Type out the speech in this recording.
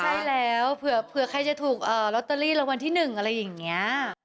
ใช่แล้วเผื่อใครจะถูกลอตเตอรี่รางวัลที่๑อะไรอย่างนี้